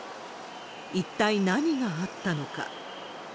一体何があったのか。